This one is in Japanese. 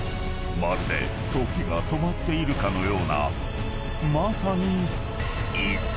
［まるで時が止まっているかのようなまさに］